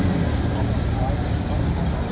สุดท้ายสุดท้ายสุดท้ายสุดท้าย